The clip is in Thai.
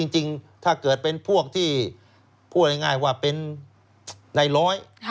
จริงถ้าเกิดเป็นพวกที่พูดง่ายว่าเป็นในร้อย